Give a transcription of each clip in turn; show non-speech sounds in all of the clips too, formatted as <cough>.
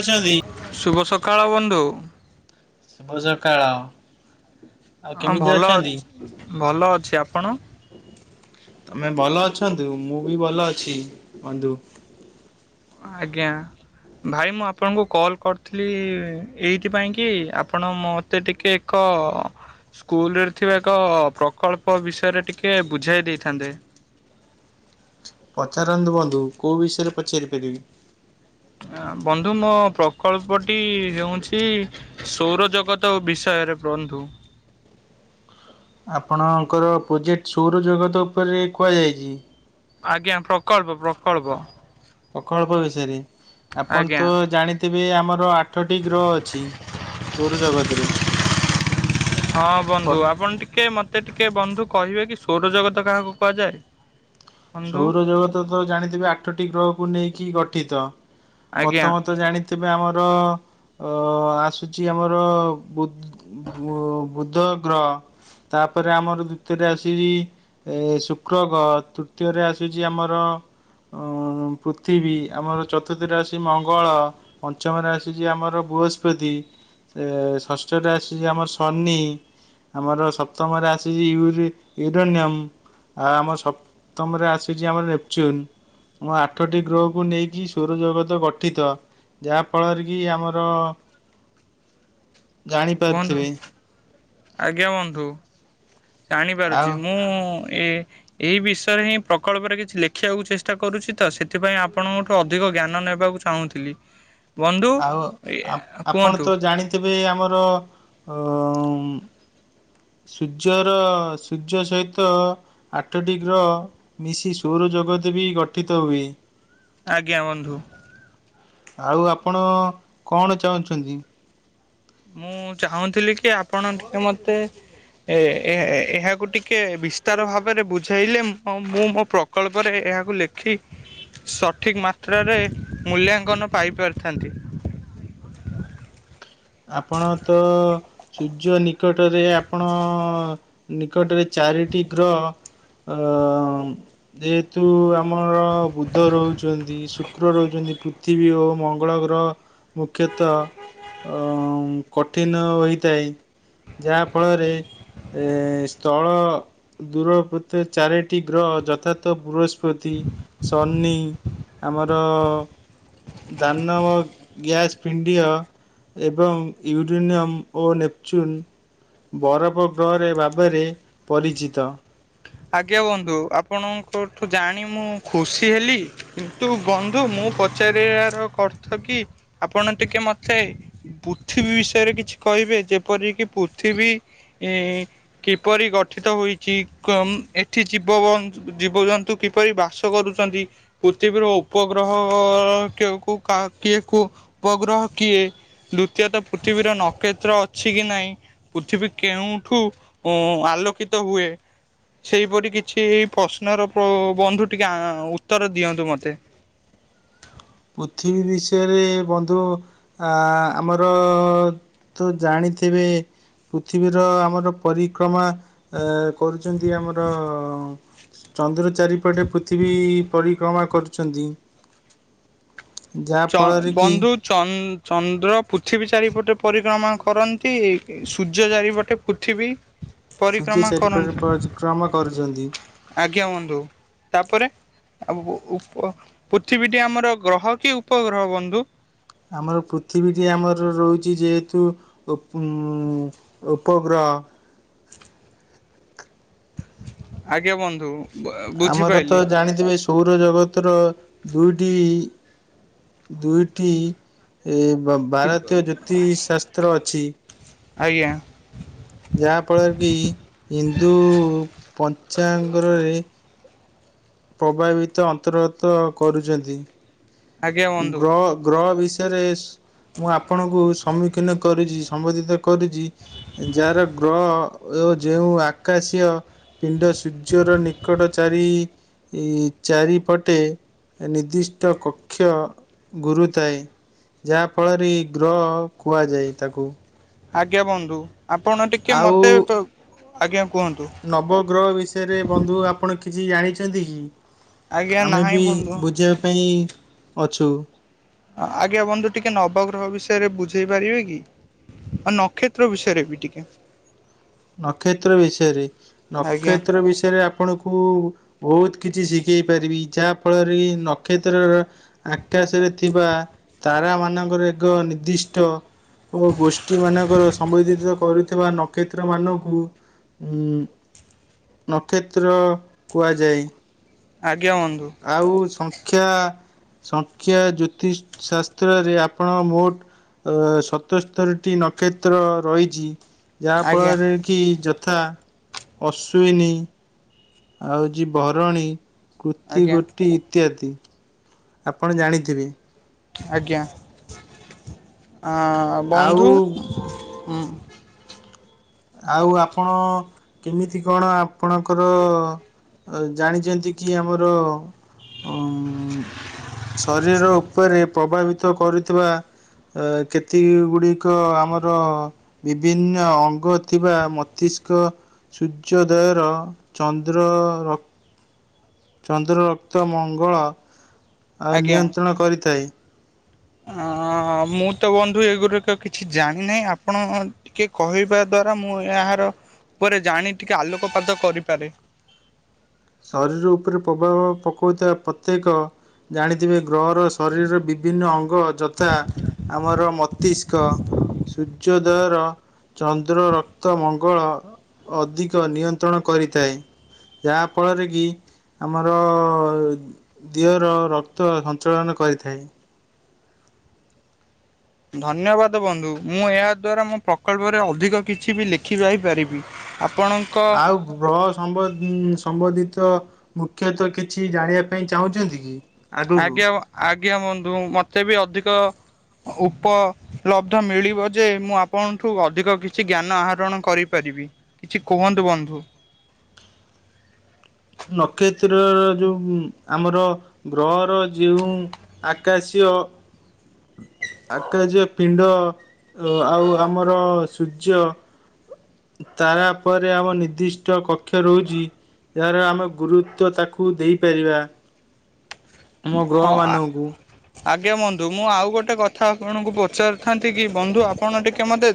ଅଛନ୍ତି ଶୁଭ ସକାଳ ବନ୍ଧୁ। ଶୁଭ ସକାଳ ଅ। ହଁ ଭଲ ଅ, ଭଲ ଅଛି ଆପଣ? ତମେ ଭଲ ଅଛନ୍ତୁ, ମୁଁ ବି ଭଲ ଅଛି ବନ୍ଧୁ। ଆଜ୍ଞା। ଭାଇ ମୁଁ ଆପଣଙ୍କୁ କଲ୍ କରିଥିଲି ଏଇଥି ପାଇଁକି, ଆପଣ ମତେ ଟିକେ ଏକ, ସ୍କୁଲରେ ଥିବା ଏକ ପ୍ରକଳ୍ପ ବିଷୟରେ ଟିକେ ବୁଝାଇ ଦେଇଥାନ୍ତେ। ପଚାରନ୍ତୁ ବନ୍ଧୁ, କୋଉ ବିଷୟରେ ପଚାରି ପାରିବି? ବନ୍ଧୁ ମୋ ପ୍ରକଳ୍ପଟି ହେଉଁଛି ସୌର ଜଗତ ଓ ବିଷୟରେ ବନ୍ଧୁ। ଆପଣଙ୍କର ପ୍ରୋଜେକ୍ଟ୍ ସୌର ଜଗତ ଉପରେ କୁହାଯାଇଚି। ଆଜ୍ଞା, ପ୍ରକଳ୍ପ ପ୍ରକଳ୍ପ। ପ୍ରକଳ୍ପ ବିଷୟରେ, ଆପଣ ଆଜ୍ଞା। ତ ଜାଣିଥିବେ ଆମର ଆ ଆଠଟି ଗ୍ରହ ଅଛି, ସୋରଜଗତରେ, ହଁ ବନ୍ଧୁ ପ୍ର ଆପଣ ଟିକେ ମ ମତେ ଟିକେ ବନ୍ଧୁ କହିବେ କି, ସୌରଜଗତ କାହାକୁ କୁହାଯାଏ? ବନ୍ଧୁ ସୌର ଜଗତ ତ ଜାଣିଥିବେ ଆଠଟି ଗ୍ରହକୁ ନେଇକି ଗଠିତ, ଆଜ୍ଞା। ପ୍ରଥମ ତ ଜାଣିଥି ଥିବେ ଆମର ଅ ଆସୁଚି ଆମର, ବୁ ବୁଧ ଗ୍ରହ। ତାପରେ ଆମର ଦ୍ୱିତୀୟରେ ଆସୁଚି ଏ ଶୁକ୍ର ଗ୍ରହ। ତୃତୀୟରେ ଆସୁଚି ଆମର ପୃଥିବୀ, ଆମର ଚତୁର୍ଥରେ ଆସୁଚି ମଙ୍ଗଳ ପଞ୍ଚମରେ ଆସୁଚି ଆମର ବୃହସ୍ପତି ଷଷ୍ଠଟା ଆସୁଚି ଆମର ଶନି ଆମର ସପ୍ତମରେ ଆସୁଚି ୟୁ ୟୁରେନିୟମ୍, ଆଉ ଆମ ସ୍ ସପ୍ତମ ରେ ଆସୁଚି ଆମର ନେପଚୁନ୍ ଆମର ଆଠଟି ଗ୍ରହକୁ ନେଇକି ସୌରଜଗତ ଗଠିତ, ଯାହାଫଳରେ କି ଆମର, କୁହନ୍ତୁ ଜାଣିପାରୁଥିବେ ଆଜ୍ଞା ବନ୍ଧୁ ଆଉ ଜାଣିପାରୁଛି ମୁଁ, ଏ, ଏଇ ବିଷୟରେ ହିଁ ପ୍ରକଳ୍ପରେ କିଛି ଲେଖିବାକୁ ଚେଷ୍ଟା କରୁଛି ତ ସେଥିପାଇଁ ଆପଣଙ୍କ ଠୁ ଅଧିକ ଜ୍ଞାନ ନେବାକୁ, ଚାହୁଁଥିଲି, <unintelligible> ବନ୍ଧୁ ଆଉ ଆପ୍ ଆପଣ କୁହନ୍ତୁ ତ ଜାଣିଥିବେ ଆମର ଓ ଉଁ, ସୂର୍ଯ୍ୟର ସୂର୍ଯ୍ୟ ସହିତ, ଆଠଟି ଗ୍ରହ ମିଶି ସୌର ଜଗତ ବି ଗଠିତ ହୁଏ, ଆଜ୍ଞା ବନ୍ଧୁ, ଆଉ ଆପଣ କଣ ଚାହୁଁଛନ୍ତି? ମୁଁ ଚାହୁଁଥିଲି କି ଆପଣ ଟିକେ ମତେ, ଏ ଏ ଏ ଏହାକୁ ଟିକେ ବିସ୍ତାର ଭାବରେ ବୁଝାଇଲେ ମୁ ହଁ କମ୍ ମୁଁ ମୋ ପ୍ର କଳ୍ପରେ ଏହାକୁ ଲେଖି, ସଠିକ୍ ମାତ୍ରାରେ ମୂଲ୍ୟାଙ୍କନ ପାଇଁ ପାରିଥାନ୍ତି, ଆପଣ ତୋ, ସୂର୍ଯ୍ୟ ନିକଟରେ ଆପଣ ନିକଟରେ ଚାରିଟି ଗ୍ରହ, ଅ ଙ୍ଗ୍, ଯେହେତୁ ଆମର ବୁଦ୍ଧ ରହୁଛନ୍ତି ଶୁକ୍ର ରହୁଛନ୍ତି ପୃ ଥିବୀ ଓ ମଙ୍ଗଳ ଗ୍ରହ ମୁଖ୍ୟତଃ, ଅ କଠିନ ହୋଇଥାଏ ଯାହା ଫଳରେ, ଏ ସ୍ଥଳ, ଦୂରତ ଚାରିଟି ଗ୍ରହ ଯଥାର୍ଥ ବୃହସ୍ପତି ସନି, ଆମର ଧାନ ଗ୍ୟାସ୍ ପିଣ୍ଡିଅ, ଏବଂ ୟୁରିନିୟମ୍ ଓ ନେଚୁନ୍, ବରଫ ଗ୍ରହରେ ଭାବରେ ପରିଚିତ, ଆଜ୍ଞା ବନ୍ଧୁ ଆପଣଙ୍କଠୁ ଜାଣି ମୁଁ ଖୁସି ହେଲି, କିନ୍ତୁ ବନ୍ଧୁ ମୁଁ ପଚାରିବାର ଅର୍ଥ କି ଆପଣ ଟିକେ ମତେ, ପୃଥିବୀ ବିଷୟରେ କିଛି କହିବେ ଯେପରିକି ପୃଥିବୀ, ଏ କିପରି ଗଠିତ ହୋଇଛି, କମ୍ ଏଠି ଜୀବୁ ଜୀବଜନ୍ତୁ କିପରି ବାସ କରୁଛନ୍ତି, ପୃଥିବୀର ଉପଗ୍ରହ କିଏ କୁ କାହା କିଏ କୁ ଉପଗ୍ରହ କିଏ, ଦ୍ଵିତୀୟତଃ ପୃଥିବୀର ନକ୍ଷତ୍ର ଅଛି କି ନାହିଁ, ପୃଥିବୀ କେଉଁଠୁ ଅଁ ଆଲୋକିତ ହୁଏ, ସେଇପରି କିଛି ପ୍ରଶ୍ନର ପ୍ର ବନ୍ଧୁ ଟିକେ ଆଉ ଉତ୍ତର ଦିଅନ୍ତୁ ମତେ, ପୃଥିବୀ ବିଷୟରେ ଏଇ ବନ୍ଧୁ ଆ ଆମର, ତ ଜାଣିଥିବେ, ପୃଥିବୀର ଆମର ପରିକ୍ରମା ଏଁ କରୁଛନ୍ତି ଆମର, ଚନ୍ଦ୍ର ଚାରିପଟେ ପୃଥିବୀ ପରିକ୍ରମା କରୁଛନ୍ତି, ଯାହା ଚ ଫଳରେ କି ବନ୍ଧୁ, ଚନ୍ ଚନ୍ଦ୍ର ପୃଥିବୀ ଚାରିପଟେ ପରିକ୍ରମା କରନ୍ତି ସୂର୍ଯ୍ୟ ଚାରିପଟେ, ପୃଥିବୀ, ସୂର୍ଯ୍ୟ ପରିକ୍ରମା ଚାରିପଟେ କରନ୍ତି ପରିକ୍ରମା କରୁଛନ୍ତି, ଆଜ୍ଞା ବନ୍ଧୁ ତାପରେ, ଆମକୁ ଉପ ପୃଥିବୀଟି ଆମର ଗ୍ରହ କି ଉପଗ୍ରହ ବନ୍ଧୁ? ଆମର ପୃଥିବୀଟି ଆମର ରହୁଛି ଯେହେତୁ ଉପ ଉମ ଉପଗ୍ରହ। ଆଜ୍ଞା ବନ୍ଧୁ। ଆମର ତ ବୁଝିପାଇଲି ଜାଣିଥିବେ ସୌରଜଗତର ଦୁଇଟି ଦୁଇଟି ଏ ଭାରତୀୟ ଜ୍ୟୋତିଶାସ୍ତ୍ର ଅଛି। ଆଜ୍ଞା ଯାହା ଫଳରେ କି ହିନ୍ଦୁ ପଞ୍ଚଙ୍ଗରରେ ପ୍ରଭାବିତ ଅନ୍ତର୍ଗତ କରୁଛନ୍ତି ଆଜ୍ଞା ବନ୍ଧୁ। ଗ୍ରହ ଗ୍ରହ ବିଷୟରେ ମୁଁ ଆପଣଙ୍କୁ ସମ୍ମୁଖୀନ କରୁଛି ସମ୍ବୋଧିତ କରୁଛି। ଯାହାର ଗ୍ରହ ଓ ଯେଉଁ ଆକାଶୀୟ। ପିଣ୍ଡ ସୂର୍ଯ୍ୟର ନିକଟ ଚାରି ଏଇ ଚାରିପଟେ ନିର୍ଦ୍ଦିଷ୍ଟ କକ୍ଷ ଗୁରୁଥାଏ। ଯାହା ଫଳରେ ଗ୍ରହ କୁହାଯାଏ ତାକୁ। ଆଜ୍ଞା ବୁନ୍ଧୁ ଆପଣ ଟିକିଏ ଆଉ ମୋତେ ପ, ଆଜ୍ଞା କୁହନ୍ତୁ। ନବଗ୍ରହ ବିଷୟରେ ବନ୍ଧୁ ଆପଣ କିଛି ଜାଣିଛନ୍ତି କି? ଆଜ୍ଞା ଆମେ ନାହିଁ ବି ବନ୍ଧୁ। ବୁଝିବା ପାଇଁ ଅଛୁ। ହଁ ଆଜ୍ଞା ବନ୍ଧୁ ଟିକେ ନବଗ୍ରହ ବିଷୟରେ ବୁଝେଇ ପାରିବେ କି? ଆଉ ନକ୍ଷତ୍ର ବିଷୟରେ ବି ଟିକେ। ନକ୍ଷତ୍ର ବିଷୟରେ ଆଜ୍ଞା ନକ୍ଷତ୍ର ବିଷୟରେ ଆ ଆପଣଙ୍କୁ ବହୁତ କିଛି ଶିଖେଇ ପାରିବି ଯାହା ଫଳରେ ନକ୍ଷତ୍ରର ଆକାଶରେ ଥିବା ତାରା ମାନଙ୍କର ଏକ ନିର୍ଦ୍ଦିଷ୍ଟ ଓ ଗୋଷ୍ଠୀ ମାନଙ୍କର ସମ୍ବୋଧିତ କରୁଥିବା ନକ୍ଷ ତ୍ର ମାନଙ୍କୁ ନକ୍ଷତ୍ର କୁହାଯାଏ। ଆଜ୍ଞା ବନ୍ଧୁ। ଆଉ ସଂଖ୍ୟା ସଂଖ୍ୟା ଜ୍ୟୋତିଷଶାସ୍ତ୍ରରେ ଆପଣ ମୋଟ ଅ ସତସ୍ତରୀଟି ନକ୍ଷତ୍ର ରହିଛି ଆଜ୍ଞା ଯାହାଫଳରେ କି ଯଥା ଅଶ୍ୱିନୀ ଆଉ ଜି ବରଣୀ। ତି ଆଜ୍ଞା ଗୋଟି ଇତ୍ୟାଦି ଆପଣ ଜାଣିଥିବେ। ଆଜ୍ଞା ଆଁ ଆଉ ବନ୍ଧୁ। ହୁଁ ଆଉ ଆପଣ କେମିତି କଣ ଆପଣଙ୍କର ଜାଣିଛନ୍ତି କି ଆମର ଉମ ଶରୀର ଉପରେ ପ୍ରଭାବିତ କରୁଥିବା ଏ କେତିକି ଗୁଡ଼ିକ ଆମର ବିଭିନ୍ନ ଅଙ୍ଗ ଥିବା ମସ୍ତିଷ୍କ ସୂର୍ଯ୍ୟୋଦୟର ଚନ୍ଦ୍ର ର ଚନ୍ଦ୍ର ରକ୍ତ ମଙ୍ଗଳ ଆଉ ନିୟନ୍ତ୍ରଣ କରିଥାଏ। ଅଁ ମୁଁ ତ ବନ୍ଧୁ ଏଗୁଡ଼ିକ କିଛି ଜାଣିନାହିଁ ଆପଣ ଟିକେ କହିବା ଦ୍ଵାରା ମୁଁ ଏହାର ଉପରେ ଜାଣି ଟିକେ ଆଲୋକପାତ କରିପାରେ। ଶରୀର ଉପରେ ପ୍ରଭାବ ପକାଉଥିବା ପ୍ରତ୍ୟେକ ଜାଣିଥିବେ ଗ୍ରହର ଶରୀରର ବିଭିନ୍ନ ଅଙ୍ଗ ଯଥା ଆମର ମସ୍ତିଷ୍କ ସୂର୍ଯ୍ୟୋଦୟର ଚନ୍ଦ୍ର ରକ୍ତ ମଙ୍ଗଳ। ଅଧିକ ନିୟନ୍ତ୍ରଣ କରିଥାଏ। ଏହା ଫଳରେ କି ଆମର ଦିହର ରକ୍ତ ସଞ୍ଚଳନ କରିଥାଏ। ଧନ୍ୟବାଦ ବନ୍ଧୁ ମୁଁ ଏହା ଦ୍ୱାରା ମୋ ପ୍ରକଳ୍ପରେ ଅଧିକ କିଛି ବି ଲେଖି ଯାଇ ପାରିବି। ଆପଣଙ୍କ ଆଉ ଗ୍ରହ ସମ୍ବ ସମ୍ବନ୍ଧିତ ମୁଖ୍ୟତଃ କିଛି ଜାଣିବା ପାଇଁ ଚାହୁଁଛନ୍ତି କି? ଆଗକୁ ଆଜ୍ଞା ଆଜ୍ଞା ବନ୍ଧୁ ମତେ ବି ଅଧିକ ଉପଲବ୍ଧ ମିଳିବ ଯେ ମୁଁ ଆପଣଠୁ ଅଧିକ କିଛି ଜ୍ଞାନ ଆହରଣ କରିପାରିବି। କିଛି କୁହନ୍ତୁ ବନ୍ଧୁ? ନକ୍ଷତ୍ରର ଯେଉଁ ଆମର ଗ୍ରହର ଯେଉଁ ଆକାଶୀୟ ଆକାଶୀର୍ଯ୍ୟ ପିଣ୍ଡ ଆଉ ଆମର ସୂର୍ଯ୍ୟ ତାରାପରେ ଆମ ନିର୍ଦ୍ଦିଷ୍ଟ କକ୍ଷ ରହୁଛି। ଯାହାର ଆମେ ଗୁରୁତ୍ୱ ତାକୁ ଦେଇପାରିବା। ଆମ ହଁ ଆ ଗ୍ରହମାନଙ୍କୁ ଆଜ୍ଞା ବନ୍ଧୁ ମୁଁ ଆଉ ଗୋଟେ କଥା ଆପଣଙ୍କୁ ପଚାରିଥାନ୍ତି କି ବନ୍ଧୁ ଆପଣ ଟିକେ ମୋତେ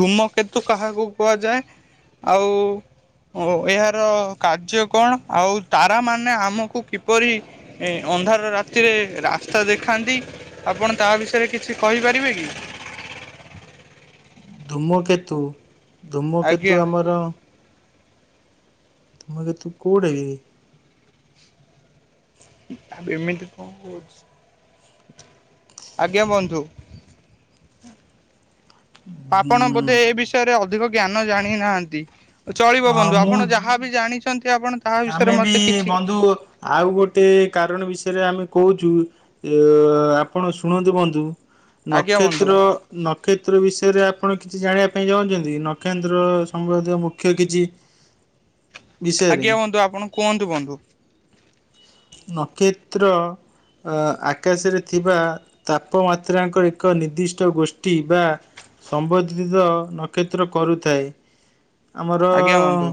ଧୂମକେତୁ କାହାକୁ କୁହାଯାଏ ଆଉ ଓ ଏହାର କାର୍ଯ୍ୟ କଣ ଆଉ ତାରା ମାନେ ଆମକୁ କିପରି ଏ ଅନ୍ଧାର ରାତିରେ ରାସ୍ତା ଦେଖାନ୍ତି ଆପଣ ତାହା ବିଷୟରେ କିଛି କହିପାରିବେ କି? ଧୂମକେତୁ ଧୂମକେତୁ ଆଜ୍ଞା ଆମର ଧୂମକେତୁ କୋଉଟା କି? ଆବେ ଏମିତି କଣ କହୁଚି? ଆଜ୍ଞା ବନ୍ଧୁ। ଆପଣ ବୋଧେ ଏ ଉଁ ବିଷୟରେ ଅଧିକ ଜ୍ଞାନ ଜାଣି ନାହାନ୍ତି ଚଳିବ ବନ୍ଧୁ ଆପଣ ମୁଁ ଯାହା ଜାଣିଛନ୍ତି ଆପଣ ତାହା ବିଷୟରେ ଆମେ ବି ମତେ କିଛି ବନ୍ଧୁ ଆଉ ଗୋଟେ କାରଣ ବିଷୟରେ ଆମେ କହୁଛୁ। ଅ ଆପଣ ଶୁଣନ୍ତୁ ବନ୍ଧୁ ଆଜ୍ଞା ବନ୍ଧୁ ନକ୍ଷତ୍ର ନକ୍ଷତ୍ର ବିଷୟରେ ଆପଣ କିଛି ଜାଣିବା ପାଇଁ ଚାହୁଁଛନ୍ତି ନକ୍ଷତ୍ର ସଂବନ୍ଧୀୟ ମୁଖ୍ୟ କିଛି। <inaudible> ବିଷୟରେ ଆଜ୍ଞା ବନ୍ଧୁ ଆପଣ କୁହନ୍ତୁ ବନ୍ଧୁ? ନକ୍ଷତ୍ର ଆକାଶରେ ଥିବା ତାପମାତ୍ରାଙ୍କ ଏକ ନିର୍ଦ୍ଦିଷ୍ଟ ଗୋଷ୍ଠୀ ବା ସମ୍ବନ୍ଧିତ ନକ୍ଷତ୍ର କରୁଥାଏ ଆମର ଆଜ୍ଞା ବନ୍ଧୁ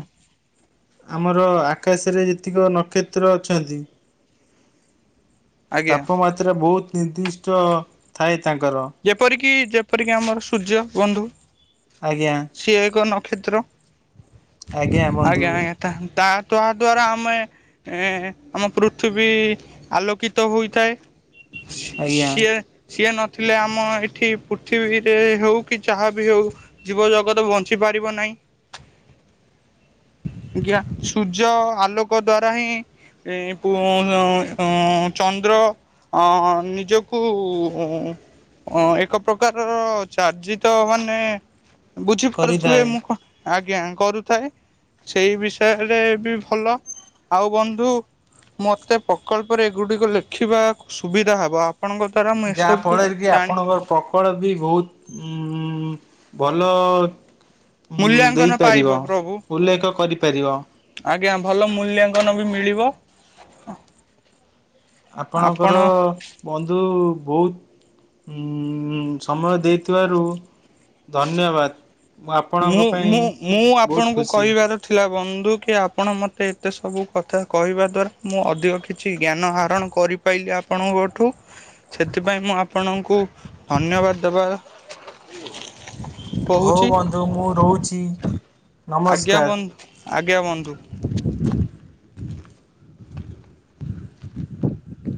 ଆମର ଆକାଶରେ ଯେତିକ ନକ୍ଷତ୍ର ଅଛନ୍ତି। ଆଜ୍ଞା। ତାପମାତ୍ରା ବହୁତ ନିର୍ଦ୍ଦିଷ୍ଟ ଥାଏ ତାଙ୍କର। ଯେପରିକି ଯେପରିକି ଆମର ସୂର୍ଯ୍ୟ ବନ୍ଧୁ। ଆଜ୍ଞା। ସିଏ ଏକ ନକ୍ଷତ୍ର ଆଜ୍ଞା ଆଜ୍ଞା। ତା ତା ଦ୍ଵାରା ଆମେ ହୁଁ ଆମ ପୃଥିବୀ ଆଲୋକିତ ହୋଇଥାଏ। ଆଜ୍ଞା ସିଏ ସିଏ ନ ଥିଲେ ଆମ ଏଠି ପୃଥିବୀରେ ହଉ କି ଚାହା ବି ହଉ। ଜୀବ ଜଗତ ବଞ୍ଚି ପାରିବ ନାହିଁ। <inaudible> ଜ୍ଞା ସୂର୍ଯ୍ୟ ଆଲୋକ ଦ୍ଵାରା ହିଁ ଏ ପ ଅ ଚନ୍ଦ୍ର ଅଁ ନିଜକୁ ହଁ ଏକ ପ୍ରକାରର ଚାର୍ଜିତ ମାନେ ବୁଝିପାରୁଥିବେ କରିଥାଏ। ମୁଁ କଣ ଆଜ୍ଞା କରୁଥାଏ ସେଇ ବିଷୟରେ ବି ଭଲ ଆଉ ବନ୍ଧୁ ମତେ ପ୍ରକଳ୍ପରେ ଏଗୁଡିକ ଲେଖିବାକୁ ସୁବିଧା ହବ ଆପଣଙ୍କ ଦ୍ଵାରା ମୁଁ ଏସବୁ ଜାଣି ପକଳ ବି ବହୁତ ଉଁ ଭଲ ଉଁ ମୂଲ୍ୟାଙ୍କନ ଦେଇପାରିବ ପାଇବ ପ୍ରଭୁ ଉଲ୍ଲେଖ କରିପାରିବ। ଆଜ୍ଞା ଭଲ ମୂଲ୍ୟାଙ୍କନ ବି ମିଳିବ। ଆପଣ ଆପଣଙ୍କର ବନ୍ଧୁ ବହୁତ ଉଁ ସମୟ ଦେଇଥିବାରୁ ଧନ୍ୟବାଦ। ମୁଁ ଆପଣଙ୍କ ପାଇଁ ମୁଁ ମୁଁ ବହୁତ ଆପଣଙ୍କୁ ଖୁସି। କହିବାର ଥିଲା ବନ୍ଧୁ କି ଆପଣ ମୋତେ ଏତେ ସବୁ କଥା କହିବା ଦ୍ୱାରା ମୁଁ ଅଧିକ କିଛି ଜ୍ଞାନ ଆହରଣ କରି ପାଇଲି ଆପଣଙ୍କଠୁ ସେଥିପାଇଁ ମୁଁ ଆପଣଙ୍କୁ ଧନ୍ୟବାଦ ଦେବା ହଉ କହୁଛି ବନ୍ଧୁ ମୁଁ ରହୁଛି। ଆଜ୍ଞା ନମସ୍କାର। ବନ୍ଧୁ ଆଜ୍ଞା ବନ୍ଧୁ।